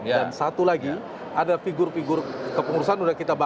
dan satu lagi ada figur figur kepengurusan sudah kita bahas